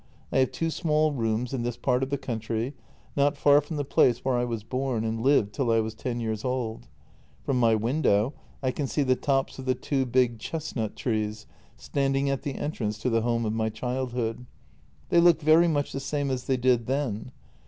I have two small rooms in this part of the country, not far from the place where I was born and lived till I was ten years old. From my win dow I can see the tops of the two big chestnut trees standing at the entrance to the home of my childhood. They look very much the same as they did then.